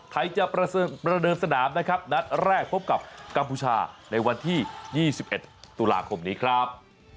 ไทยจะประเดิมสนามนะครับนัดแรกพบกับกัมพูชาในวันที่๒๑ตุลาคมนี้ครับ